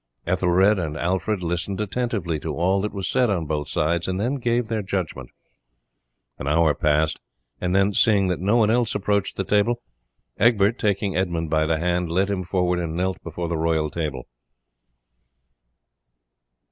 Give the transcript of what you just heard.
Ethelred and Alfred listened attentively to all that was said on both sides, and then gave their judgment. An hour passed, and then seeing that no one else approached the table, Egbert, taking Edmund by the hand, led him forward and knelt before the royal table.